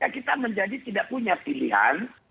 kita menjadi tidak punya pilihan